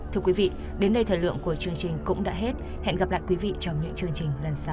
thưa quý vị đến đây thời lượng của chương trình cũng đã hết hẹn gặp lại quý vị trong những chương trình lần sau